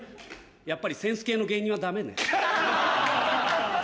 やっぱりセンス系の芸人はダメね。